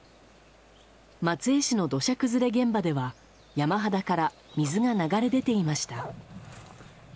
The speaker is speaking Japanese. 松江市の土砂崩れ現場では山肌から水が流れ出ていました。